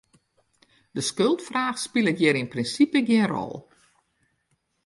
De skuldfraach spilet hjir yn prinsipe gjin rol.